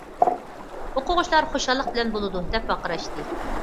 ئوقۇغۇچىلار خۇشاللىق بىلەن:« بولىدۇ!» دەپ ۋارقىراشتى.